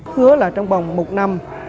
hứa là trong vòng một năm